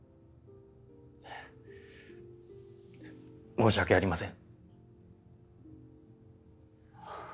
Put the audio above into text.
申し訳ありません。